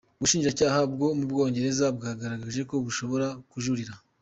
Ubushinjacyaha bwo mu Bwongereza bwagaragaje ko bushobora kujurira.